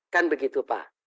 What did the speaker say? kan begitu pak